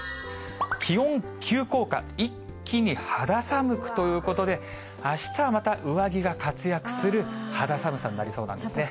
気温急降下、一気に肌寒くということで、あしたはまた、上着が活躍する肌寒さになりそうなんですね。